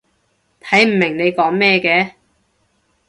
睇唔明你講咩嘅